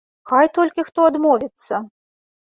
Хай толькі хто адмовіцца!